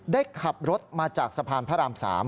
ได้ขับรถมาจากสะพานพระราม๓